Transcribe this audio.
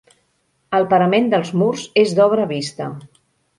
El parament dels murs és d'obra vista.